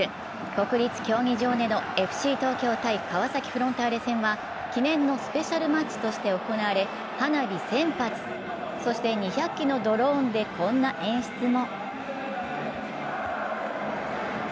国立競技場でのＦＣ東京×川崎フロンターレ戦は記念のスペシャルマッチとして行われ、花火１０００発、そして２００機のドローンでこんな演出も。